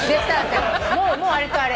もうあれとあれ。